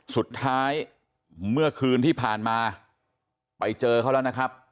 สุดท้ายเมื่อคืนที่ผ่านมาไปเจอเขาแล้วนะครับ